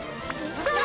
それ！